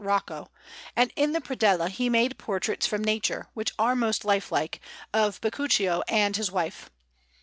Rocco; and in the predella he made portraits from nature, which are most lifelike, of Beccuccio and his wife.